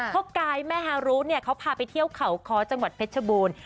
พ่อกายแม่ฮารุเนี่ยเขาพาไปเที่ยวเขาค้อจังหวัดเพชรบูรณ์